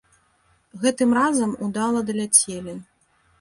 Гэтым разам удала даляцелі.